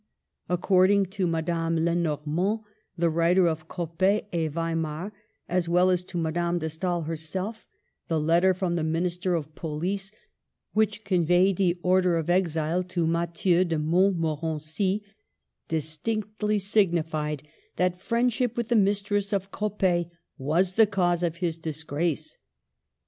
Accord ing to Madame Lenormant, the writer of Coppet et Weimar, as well as to Madame de Stael her self, the letter from the Minister of Police which conveyed the order of exile to Mathieu de Mont morency distinctly signified that friendship with the mistress of Coppet was the cause of his dis grace.